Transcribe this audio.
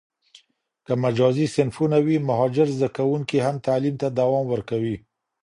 که مجازي صنفونه وي، مهاجر زده کوونکي هم تعلیم ته دوام ورکوي.